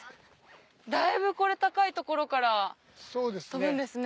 だいぶ高い所から飛ぶんですね。